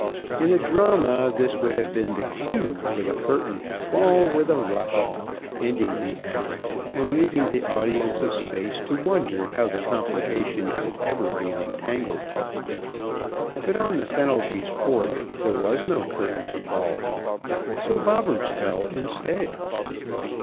In a drama this would have been the cue for the curtain to fall with a rush, ending the act and leaving the audience a space to wonder how the complication could ever be untangled, but on the Fenelby's porch there was no curtain to fall. So Bobberts fell instead.